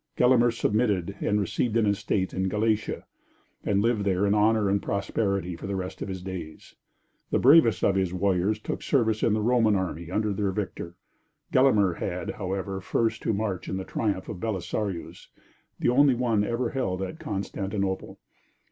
Gelimer submitted and received an estate in Galatia, and lived there in honor and prosperity for the rest of his days. The bravest of his warriors took service in the Roman army under their victor! Gelimer had, however, first to march in the triumph of Belisarius, the only one ever held at Constantinople!